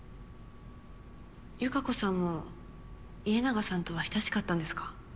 由香子さんも家長さんとは親しかったんですか？